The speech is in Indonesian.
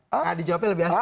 nah dijawabnya lebih asli